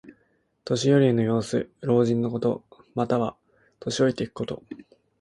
年寄りの様子。老人のこと。または、年老いていくこと。